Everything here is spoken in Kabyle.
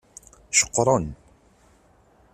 Ceqqren.